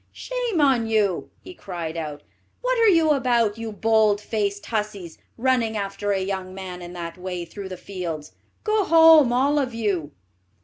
"Shame on you!" he cried out. "What are you about, you bold faced hussies, running after a young man in that way through the fields? Go home, all of you."